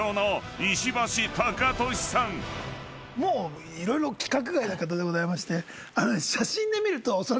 もう色々規格外の方でございまして。